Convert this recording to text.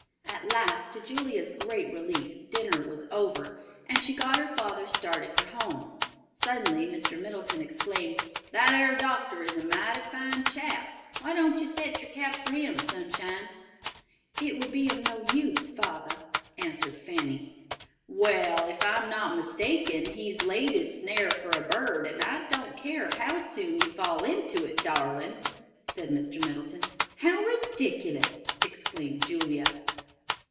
At last, to Julia's great relief, dinner was over, and she got her father started for home. Suddenly Mr. Middleton exclaimed, "That ar doctor is a mighty fine chap. Why don't you set your cap for him, Sunshine?" "It would be of no use, father," answered Fanny. "Wall, if I'm not mistaken, he's laid his snare for a bird, and I don't care how soon you fall into it, darling," said Mr. Middleton. "How ridiculous!" exclaimed Julia.